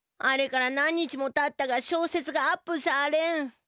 あれから何日もたったが小説がアップされん。